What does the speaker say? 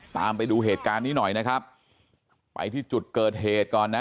ตามไปดูเหตุการณ์นี้หน่อยนะครับไปที่จุดเกิดเหตุก่อนนะ